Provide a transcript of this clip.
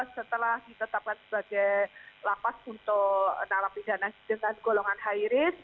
setelah ditetapkan sebagai lapas untuk narapidana dengan golongan high risk